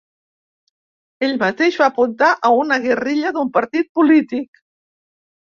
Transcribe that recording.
Ell mateix va apuntar a una ‘guerrilla’ d’un partit polític.